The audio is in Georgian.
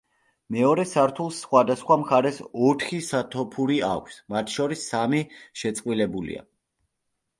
მეორე სართულს სხვადასხვა მხარეს ოთხი სათოფური აქვს, მათ შორის სამი შეწყვილებულია.